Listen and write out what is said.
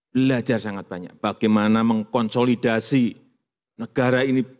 belajar sangat banyak bagaimana mengkonsolidasi negara ini